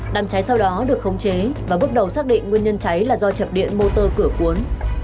đám cháy sau đó được khống chế và bước đầu xác định nguyên nhân cháy là do chập điện motor cửa cuốn